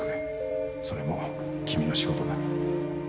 それも君の仕事だ